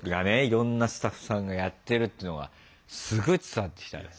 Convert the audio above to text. いろんなスタッフさんがやってるっていうのがすごい伝わってきたね。